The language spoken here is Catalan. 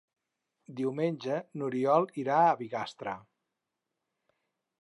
Diumenge n'Oriol irà a Bigastre.